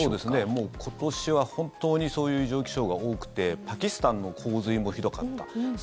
もう今年は本当にそういう異常気象が多くてパキスタンの洪水もひどかった。